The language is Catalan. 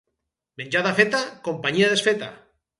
Menjada feta, companyia desfeta